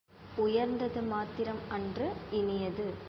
உயர்ந்தது மாத்திரம் அன்று இனியது.